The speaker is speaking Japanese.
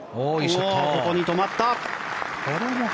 ここに止まった。